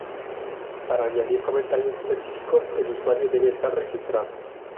Para añadir comentarios específicos, el usuario debe estar registrado.